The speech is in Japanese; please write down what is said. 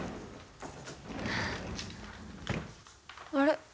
あれ？